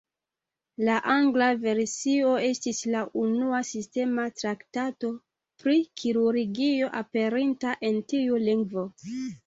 La angla versio estis la unua sistema traktato pri kirurgio aperinta en tiu lingvo.